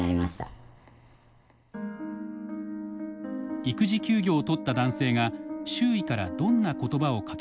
育児休業を取った男性が周囲からどんな言葉をかけられたのか。